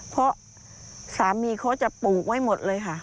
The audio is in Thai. เพราะสามีเขาจะปลูกไว้หมดเลยค่ะ